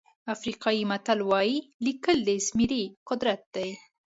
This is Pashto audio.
افریقایي متل وایي لیکل د زمري قدرت دی.